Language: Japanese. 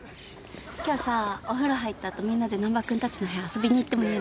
今日さお風呂入った後みんなで難破君たちの部屋遊びに行ってもいいよね？